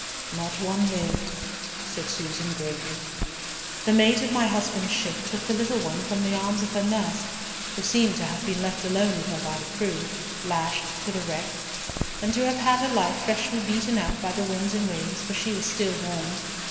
"Not one lived," said Susan, gravely. "The mate of my husband's ship took the little one from the arms of her nurse, who seemed to have been left alone with her by the crew, lashed to the wreck, and to have had her life freshly beaten out by the winds and waves, for she was still warm.